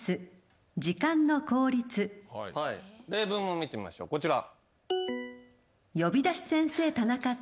例文も見てみましょうこちら。